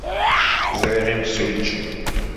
Sriɣ imsujji.